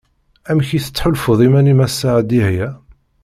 Amek i tettḥulfuḍ iman-im ass-a a Dihya?